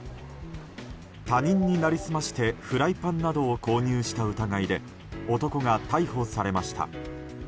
他人に成り済ましてフライパンなどを購入した疑いで男が逮捕されました。